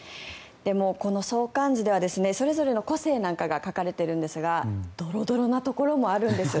この相関図ではそれぞれの個性なんかが書かれているんですがドロドロなところもあるんです。